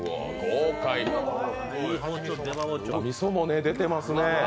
みそも出てますね。